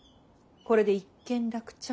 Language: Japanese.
これで一件落着。